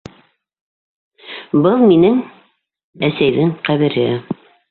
- Был минең... әсәйҙең ҡәбере.